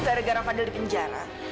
gara gara fadil di penjara